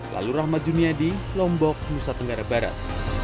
lalu rahmat juniadi lombok nusa tenggara barat